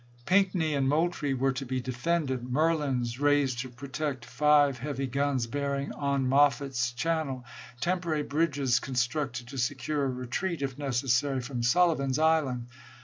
Pinckney and Moultrie were to be defended, merlons raised to protect five heavy guns bearing on Maffitt's channel, temporary bridges constructed to secure a retreat, if necessary, from Sullivan's Island.